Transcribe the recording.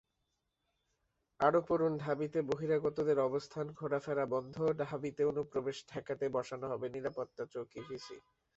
আরও পড়ুনঢাবিতে বহিরাগতদের অবস্থান ঘোরাফেরা বন্ধঢাবিতে অনুপ্রবেশ ঠেকাতে বসানো হবে নিরাপত্তা চৌকি ভিসি